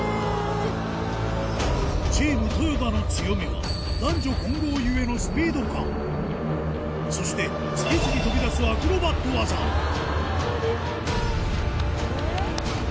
チーム ＴＯＹＯＤＡ の強みは男女混合ゆえのスピード感そして次々飛び出すアクロバット技鳥肌！